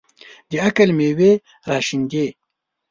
د عقل مېوې راشنېدې.